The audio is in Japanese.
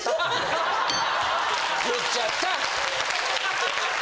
言っちゃった。